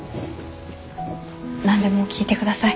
何でも聞いてください。